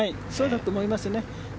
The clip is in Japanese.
そうだと思いますね。